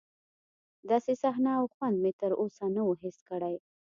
داسې صحنه او خوند مې تر اوسه نه و حس کړی.